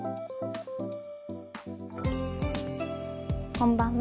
こんばんは。